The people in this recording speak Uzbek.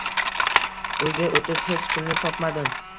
Uyga o`tib hech kimni topmadim